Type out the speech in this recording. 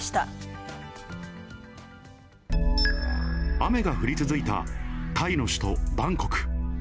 雨が降り続いたタイの首都バンコク。